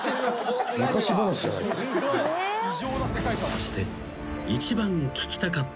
［そして］